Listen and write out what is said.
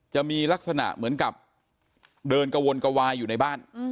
จะมีลักษณะเหมือนกับเดินกระวนกระวายอยู่ในบ้าน